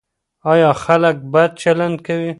ایا خلک بد چلند کوي؟